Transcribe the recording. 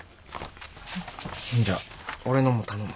じゃ俺のも頼む。